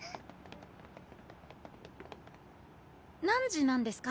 何時なんですか？